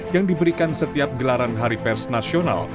yang diberikan setiap gelaran hari pers nasional